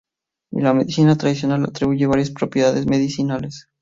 La medicina tradicional le atribuye varias propiedades medicinales.